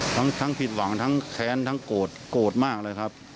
ทั้งผิดหวังทั้งแค้นทั้งโกรธโกรธมากเลยครับ